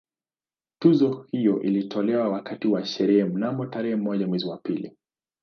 Tuzo hiyo ilitolewa wakati wa sherehe mnamo tarehe moja mwezi wa pili